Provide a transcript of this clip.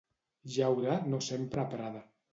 Jaure no s'empra a Prada.